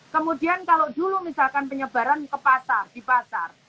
kemudian kalau dulu misalkan penyebaran ke pasar di pasar